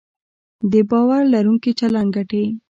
د باور لرونکي چلند ګټې